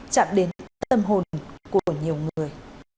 chạm đến tâm hồn của nhiều người